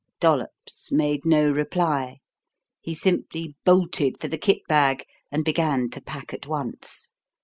Dollops made no reply. He simply bolted for the kit bag and began to pack at once.